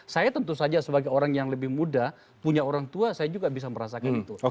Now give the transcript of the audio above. saya tentu saja sebagai orang yang lebih muda punya orang tua saya juga bisa merasakan itu